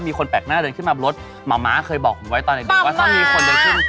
มีคนแปลกหน้าเดินขึ้นมาบนรถหมอม้าเคยบอกผมไว้ตอนเด็กว่าถ้ามีคนเดินขึ้น